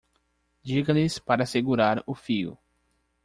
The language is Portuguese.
Diga-lhes para segurar o fio.